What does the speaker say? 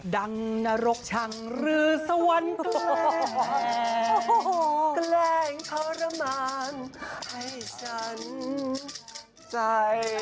ดังนรกชังหรือสวรรค์แกล้งแกล้งขอรมันให้ฉันใจ